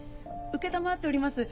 承っております。